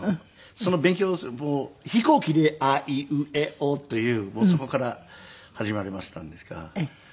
その勉強飛行機で「あいうえお」というそこから始まりましたんですが。